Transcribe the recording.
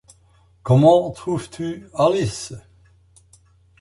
Comment trouves-tu Alice ?